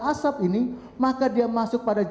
asap ini maka dia masuk pada